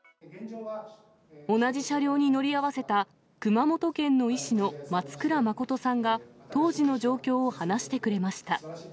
同じ車両に乗り合わせた熊本県の医師の松倉誠さんが、当時の状況を話してくれました。